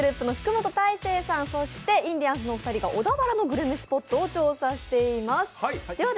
ｇｒｏｕｐの福本大晴さんそしてインディアンスのお二人が小田原のグルメスポットを調査しています。